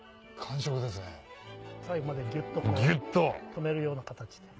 最後までギュっと止めるような形で。